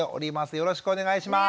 よろしくお願いします。